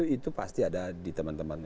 itu pasti ada di teman teman